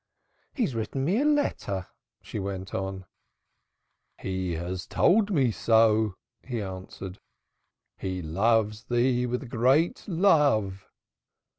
"He has written me a letter," she went on. "He has told me so," he answered. "He loves thee with a great love."